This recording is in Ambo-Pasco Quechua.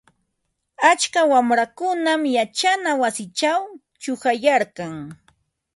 Atska wamrakunam yachana wasichaw chuqayarkan.